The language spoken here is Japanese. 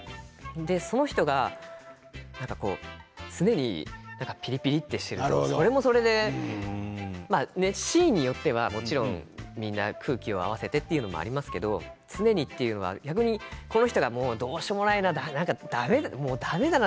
その人が常にピリピリしていたらそれもそれでシーンによっては、もちろん皆空気を合わせてというのもありますけれど逆に、この人もうどうしようもないな、だめだな